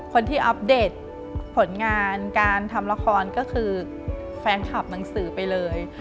อัปเดตผลงานการทำละครก็คือแฟนคลับหนังสือไปเลย